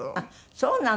そうなの？